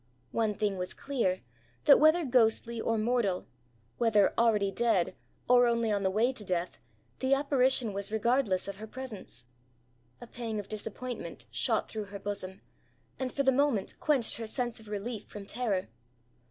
One thing was clear, that whether ghostly or mortal, whether already dead or only on the way to death, the apparition was regardless of her presence. A pang of disappointment shot through her bosom, and for the moment quenched her sense of relief from terror.